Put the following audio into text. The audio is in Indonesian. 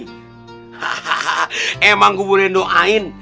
hahaha emang gue boleh doain